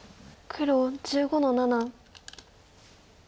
黒１４の七。